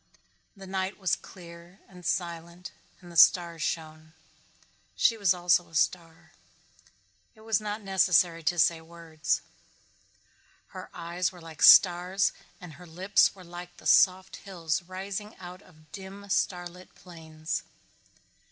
The night was clear and silent and the stars shone. She also was a star. It was not necessary to say words. Her eyes were like stars and her lips were like soft hills rising out of dim, star lit plains.